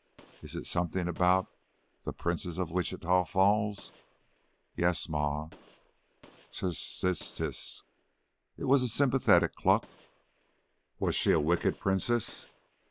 "Is it something about the the Princess of Wichita Falls?" "Yes, Ma." "Tse! Tse! Tse!" It was a sympathetic cluck. "Was she a wicked princess?"